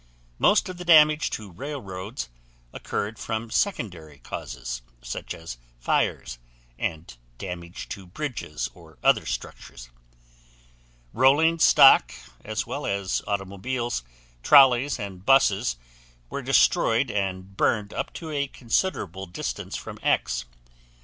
Most of the damage to railroads occurred from secondary causes, such as fires and damage to bridges or other structures. Rolling stock, as well as automobiles, trolleys, and buses were destroyed and burned up to a considerable distance from X.